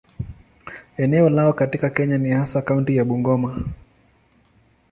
Eneo lao katika Kenya ni hasa kaunti ya Bungoma.